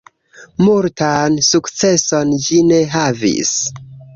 Multan sukceson ĝi ne havis.